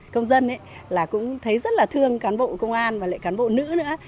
công dân cũng thấy rất là thương cán bộ công an và lệ cán bộ nữ nữa